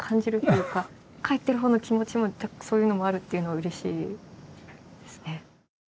描いてるほうの気持ちもそういうのもあるっていうのはうれしいですね。